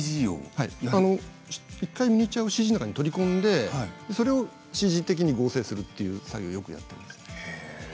１回ミニチュアをＣＧの中に取り込んでそれをＣＧ的に合成するという作業をよくやっています。